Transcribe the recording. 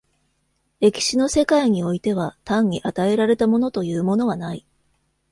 歴史の世界においては単に与えられたものというものはない。